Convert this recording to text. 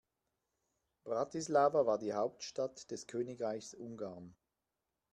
Bratislava war die Hauptstadt des Königreichs Ungarn.